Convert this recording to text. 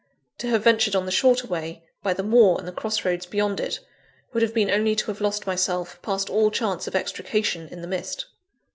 To have ventured on the shorter way, by the moor and the cross roads beyond it, would have been only to have lost myself past all chance of extrication, in the mist.